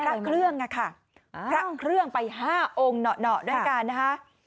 พระเครื่องอะค่ะพระเครื่องไป๕องค์เหนาะด้วยกันนะคะ